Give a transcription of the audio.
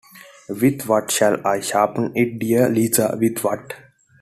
With what shall I sharpen it, dear Liza, with what?